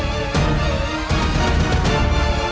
nanda mohon jangan